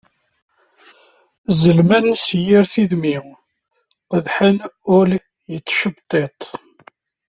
Zellmen s yir tidmi qeddḥen ul yettcebṭiṭ.